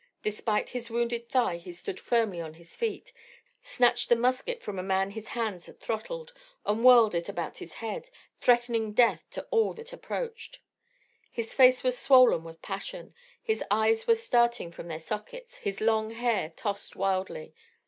Despite his wounded thigh he stood firmly on his feet, snatched the musket from a man his hands had throttled, and whirled it about his head, threatening death to all that approached. His face was swollen with passion, his eyes were starting from their sockets, his long hair tossed wildly.